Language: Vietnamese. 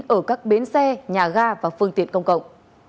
ở các bến xe nhà ga và phương tiện công cộng